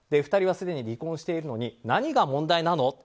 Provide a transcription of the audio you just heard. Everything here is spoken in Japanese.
２人はすでに離婚しているのに何が問題なの？